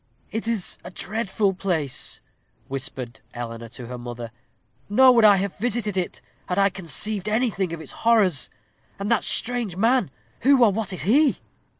"It is a dreadful place," whispered Eleanor to her mother; "nor would I have visited it, had I conceived anything of its horrors. And that strange man! who or what is he?"